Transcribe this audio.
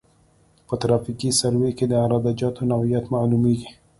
په ترافیکي سروې کې د عراده جاتو نوعیت معلومیږي